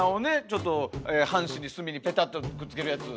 ちょっと半紙に墨にペタッとくっつけるやつ。